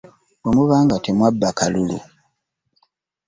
Bwemuba nga temwabba kalulu.